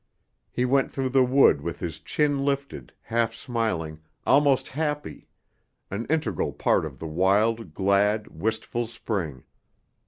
He went through the wood with his chin lifted, half smiling, almost happy, an integral part of the wild, glad, wistful spring.